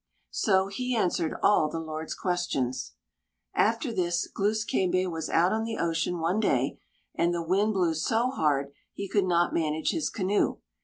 So he answered all the Lord's questions. After this, Glūs kābé was out on the ocean one day, and the wind blew so hard he could not manage his canoe.